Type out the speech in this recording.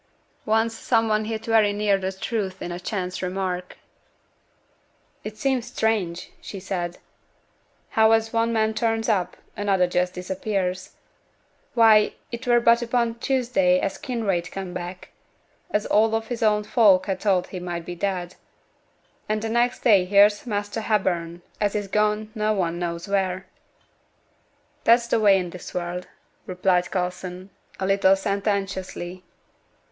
Once some one hit very near the truth in a chance remark. 'It seems strange,' she said, 'how as one man turns up, another just disappears. Why, it were but upo' Tuesday as Kinraid come back, as all his own folk had thought to be dead; and next day here's Measter Hepburn as is gone no one knows wheere!' 'That's t' way i' this world,' replied Coulson, a little sententiously.